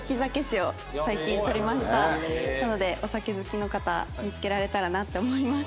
なのでお酒好きの方見つけられたらなって思います。